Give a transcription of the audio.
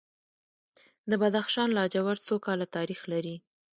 د بدخشان لاجورد څو کاله تاریخ لري؟